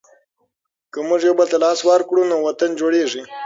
که موږ یو بل ته لاس ورکړو نو وطن جوړیږي.